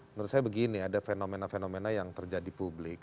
menurut saya begini ada fenomena fenomena yang terjadi publik